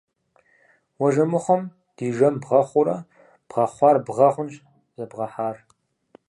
Уэ жэмыхъуэм ди жэм бгъэхъуурэ, бгъэхъуар бгъэ хъунщ зэбгъэхьар!